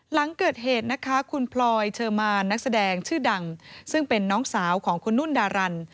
หลังเกิดเหตุนะคะคุณพลอยเชอร์มานนักแสดงชื่อดังซึ่งเป็นน้องสาวของคุณนุ่นดารัน